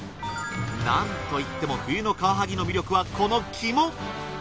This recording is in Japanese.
なんといっても冬のカワハギの魅力はこの肝！